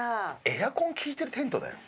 エアコン効いてるテントだよ。